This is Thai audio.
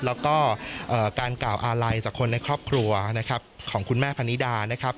แล้วก็การกล่าวอาลัยจากคนในครอบครัวนะครับของคุณแม่พนิดานะครับ